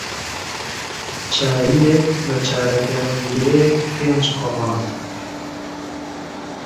چایییەک بە چارەگە لیرەیەک پێنج قڕان